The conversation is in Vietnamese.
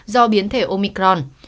do biến thể omicron